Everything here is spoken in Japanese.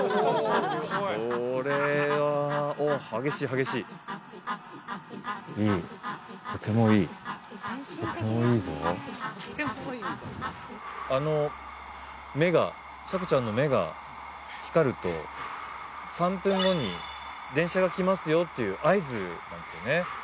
これはおお激しい激しいあの目がシャコちゃんの目が光ると３分後に電車が来ますよっていう合図なんですよね